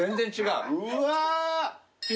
うわ。